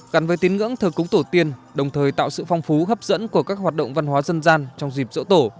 gắn với tín ngưỡng thờ cúng tổ tiên đồng thời tạo sự phong phú hấp dẫn của các hoạt động văn hóa dân gian trong dịp dỗ tổ